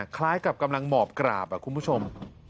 คล้ายกับกำลังหมอบกราบคุณผู้ชม